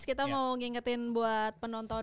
kita mau ngingetin buat penonton